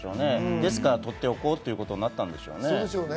だから取っておこうということになったんでしょうね。